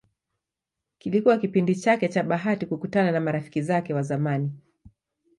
Kilikuwa kipindi chake cha bahati kukutana na marafiki zake wa zamani Bw.